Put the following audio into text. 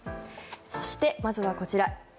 そして、まずはこちら。